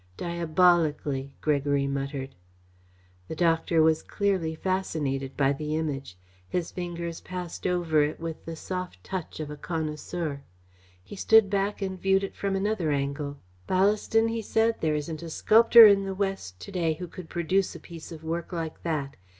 "Diabolically!" Gregory muttered. The doctor was clearly fascinated by the Image. His fingers passed over it with the soft touch of a connoisseur. He stood back and viewed it from another angle. "Ballaston," he said, "there isn't a sculptor in the West to day who could produce a piece of work like that.